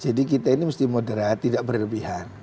jadi kita ini mesti moderat tidak berlebihan